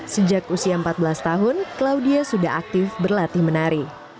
sejak usia empat belas tahun claudia sudah aktif berlatih menari